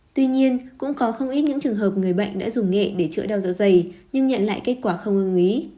tuy nhiên cũng có không ít những trường hợp người bệnh đã dùng nghệ để chữa đau dạ dày nhưng nhận lại kết quả không ưng ý